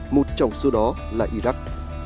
một trong số đó là iraq